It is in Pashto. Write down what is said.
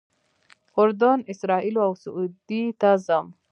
اردن، اسرائیلو او سعودي ته ځم.